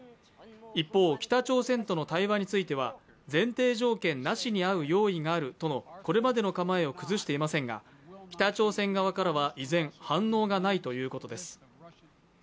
一方、北朝鮮との対話については前提条件なしに会う用意があるとのこれまでの構えを崩していませんが北朝鮮側からは依然反応がないということです。